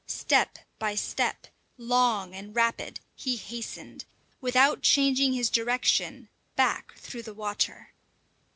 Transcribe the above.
Step by step, long and rapid, he hastened, without changing his direction, back through the water.